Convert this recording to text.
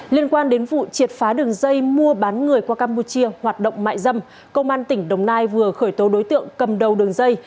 liên quan đến vụ triệt phá đường dây mua bán người qua campuchia hoạt động mại dâm công an tỉnh đồng nai vừa khởi tố đối tượng cầm đầu đường dây